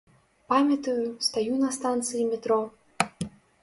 Памятаю, стаю на станцыі метро.